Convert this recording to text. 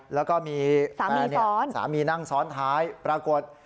แล้วก็มีสามีนั่งซ้อนท้ายปรากฏ